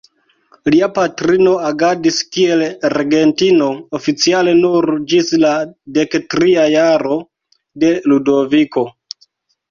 Lia patrino agadis kiel regentino, oficiale nur ĝis la dektria jaro de Ludoviko.